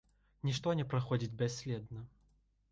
Нішто не праходзіць бясследна.